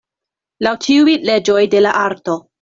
Laŭ ĉiuj leĝoj de la arto.